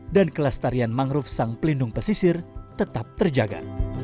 dan kelestarian mangrove sang pelindung pesisir tetap terjaga